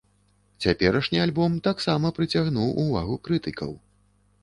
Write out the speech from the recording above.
Цяперашні альбом таксама прыцягнуў увагу крытыкаў.